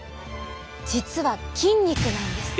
実は筋肉なんです。